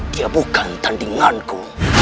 dia bukan tandinganku